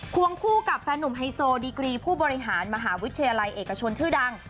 วงคู่กับแฟนหนุ่มไฮโซดีกรีผู้บริหารมหาวิทยาลัยเอกชนชื่อดัง